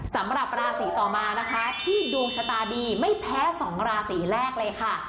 สำหรับราศีต่อมานะคะที่ดวงชะตาดีไม่แพ้สองราศีแรกเลยค่ะ